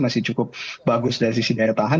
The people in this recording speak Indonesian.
masih cukup bagus dari sisi daya tahan